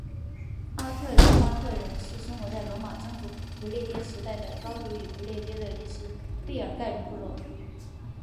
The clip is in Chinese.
阿特雷巴特人是生活在罗马征服不列颠时代的高卢与不列颠的一只贝尔盖人部落。